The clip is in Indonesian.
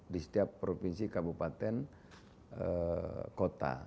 di setiap provinsi kabupaten kota